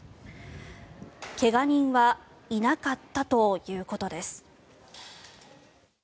怪我人はいなかったということです。